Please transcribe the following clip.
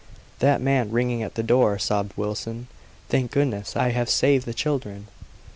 "That man ringing at the door," sobbed Wilson. "Thank goodness I have saved the children!"